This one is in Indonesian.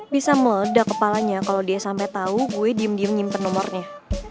bisa meledak kepalanya kalo dia sampe tau gue diem diem nyimpen nomornya